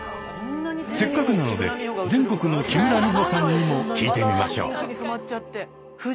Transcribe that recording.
せっかくなので全国の木村美穂さんにも聞いてみましょう。